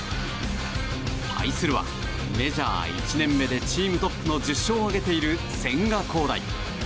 対するは、メジャー１年目でチームトップの１０勝を挙げている千賀滉大。